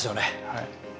はい。